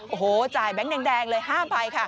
โอ้โหจ่ายแบงค์แดงเลยห้ามไปค่ะ